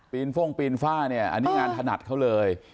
ฟ่งปีนฝ้าเนี่ยอันนี้งานถนัดเขาเลย